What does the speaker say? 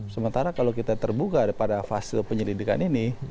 sementara kalau kita terbuka pada fase penyelidikan ini